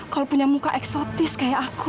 kalau punya muka eksotis kayak aku